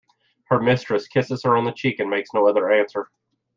Her mistress kisses her on the cheek and makes no other answer.